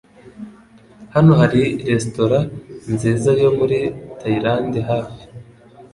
Hano hari resitora nziza yo muri Tayilande hafi.